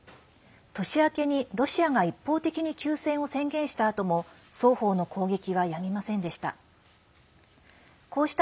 年明けにロシアが一方的に休戦を宣言したあとも双方の攻撃はやみませんでした。